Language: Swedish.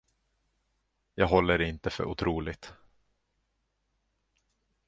Jag håller det inte för otroligt.